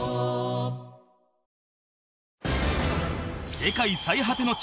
世界最果ての地